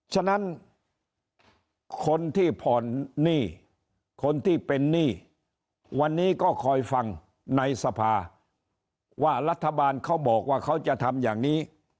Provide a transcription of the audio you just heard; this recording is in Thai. ฉะนั้นคนที่ผ่อนหนี้คนที่เป็นหนี้วันนี้ก็คอยฟังในสภาว่ารัฐบาลเขาบอกว่าเขาจะทำอย่างนี้